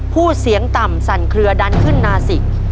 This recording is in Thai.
พูดเสียงต่ำสั่นเคลือดันขึ้นนาสิก